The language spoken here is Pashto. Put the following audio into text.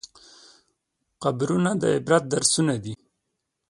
قبرونه د عبرت درسونه دي.